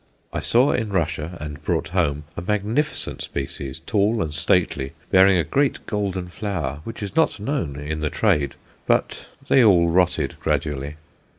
I saw in Russia, and brought home, a magnificent species, tall and stately, bearing a great golden flower, which is not known "in the trade;" but they all rotted gradually.